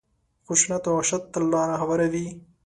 خشونت او وحشت ته لاره هواروي.